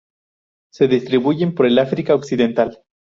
Se distribuyen por el África occidental.